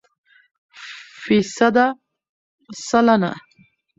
فیصده √ سلنه